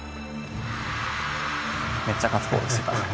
めっちゃガッツポーズしてた。